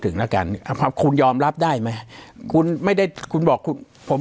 ถึงแล้วกันครับคุณยอมรับได้ไหมคุณไม่ได้คุณบอกคุณผม